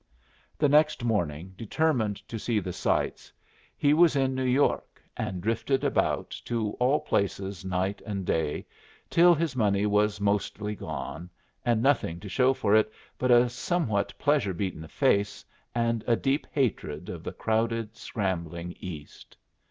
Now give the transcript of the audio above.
The next morning, determined to see the sights, he was in New York, and drifted about to all places night and day, till his money was mostly gone, and nothing to show for it but a somewhat pleasure beaten face and a deep hatred of the crowded, scrambling East.